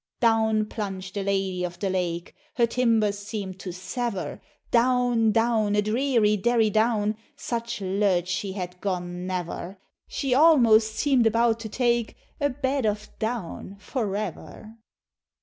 Down plunged the Lady of the Lake, Her timbers seem'd to sever; Down, down, a dreary derry down, Such lurch she had gone never; She almost seem'd about to take A bed of down forever!